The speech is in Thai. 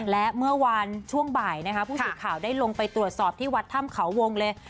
และเมื่อวานช่วงบ่ายนะคะผู้สื่อข่าวได้ลงไปตรวจสอบที่วัดถ้ำเขาวงเลย